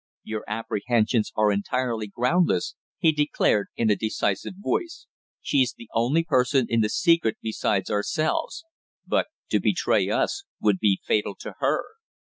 "Your apprehensions are entirely groundless," he declared in a decisive voice. "She's the only other person in the secret besides ourselves; but to betray us would be fatal to her."